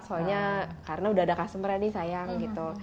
soalnya karena udah ada customer nya nih sayang gitu